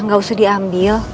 nggak usah diambil